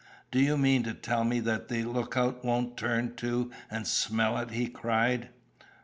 Do you mean to tell me that the lookout won't turn to and SMELL it?" he cried.